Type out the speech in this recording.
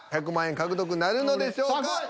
１００万円獲得なるのでしょうか。